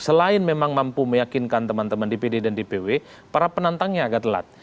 selain memang mampu meyakinkan teman teman dpd dan dpw para penantangnya agak telat